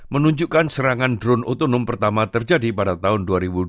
menunjukkan serangan drone otonom pertama terjadi pada tahun dua ribu dua